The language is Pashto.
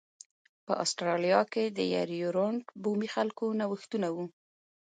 په اسټرالیا کې د یر یورونټ بومي خلکو نوښتونه و